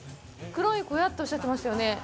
黒い小屋っておっしゃってましたよね。